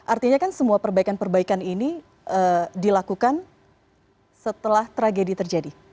artinya kan semua perbaikan perbaikan ini dilakukan setelah tragedi terjadi